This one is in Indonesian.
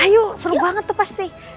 ayo seru banget tuh pasti